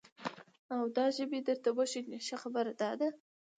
او دا ژبې درته وشني، ښه خبره دا ده،